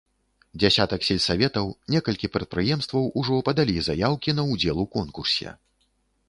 Дзясятак сельсаветаў, некалькі прадпрыемстваў ужо падалі заяўкі на ўдзел у конкурсе.